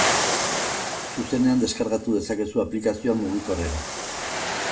Zuzenean deskargatu dezakezu aplikazioa mugikorrera.